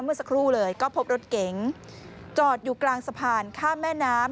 เมื่อสักครู่เลยก็พบรถเก๋งจอดอยู่กลางสะพานข้ามแม่น้ำ